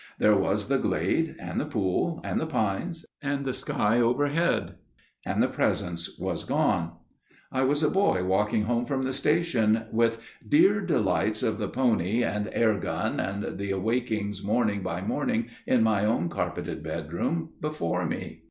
There was the glade and the pool and the pines and the sky overhead, and the Presence was gone. I was a boy walking home from the station, with dear delights of the pony and the air gun, and the wakings morning by morning in my own carpeted bedroom, before me.